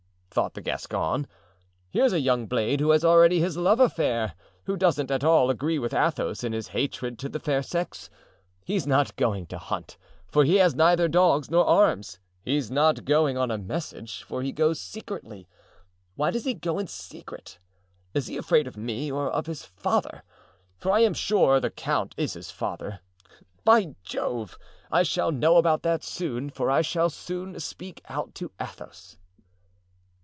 thought the Gascon "here's a young blade who has already his love affair, who doesn't at all agree with Athos in his hatred to the fair sex. He's not going to hunt, for he has neither dogs nor arms; he's not going on a message, for he goes secretly. Why does he go in secret? Is he afraid of me or of his father? for I am sure the count is his father. By Jove! I shall know about that soon, for I shall soon speak out to Athos."